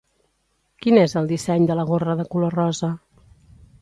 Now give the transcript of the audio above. Quin és el disseny de la gorra de color rosa?